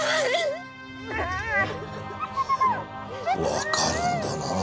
わかるんだなぁ。